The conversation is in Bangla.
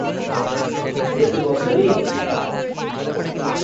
প্রতিবছর ই!